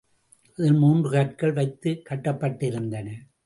அதில் மூன்று கற்கள் வைத்துக் கட்டப்பட்டிருந்தன.